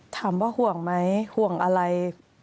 ถามว่าห่วงไหมห่วงอะไร